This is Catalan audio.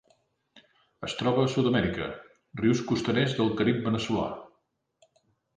Es troba a Sud-amèrica: rius costaners del Carib veneçolà.